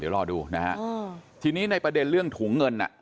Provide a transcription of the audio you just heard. เดี๋ยวรอดูนะฮะทีนี้ในประเด็นเรื่องถุงเงินน่ะ